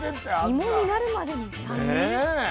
芋になるまでに３年？ねえ。